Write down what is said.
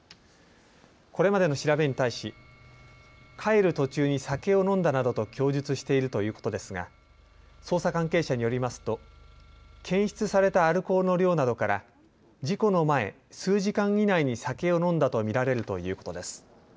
これまでの調べに対し帰る途中に酒を飲んだなどと供述しているということですが捜査関係者によりますと検出されたアルコールの量などから事故の前、数時間以内に酒を飲んだと見られるということです。